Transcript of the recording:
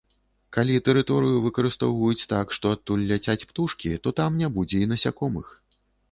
Калі тэрыторыю выкарыстоўваюць так, што адтуль ляцяць птушкі, то там не будзе і насякомых.